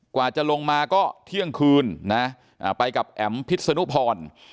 กว่าจะลงมาก็เที่ยงคืนนะไปกับแอ๋มพิษนุพร